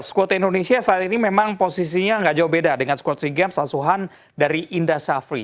skuad indonesia saat ini memang posisinya nggak jauh beda dengan squad sea games asuhan dari indra syafri